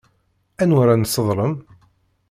Anwa ara nesseḍlem?